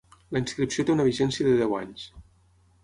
La inscripció té una vigència de deu anys.